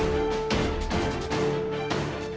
pertama data sembilan